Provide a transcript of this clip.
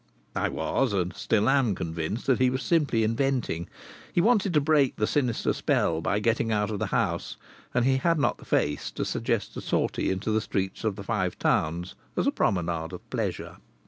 I was and still am convinced that he was simply inventing. He wanted to break the sinister spell by getting out of the house, and he had not the face to suggest a sortie into the streets of the Five Towns as a promenade of pleasure.